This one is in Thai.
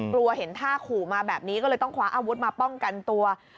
กลัวเห็นท่าขู่มาแบบนี้ก็เลยต้องคว้าอาวุธมาป้องกันตัว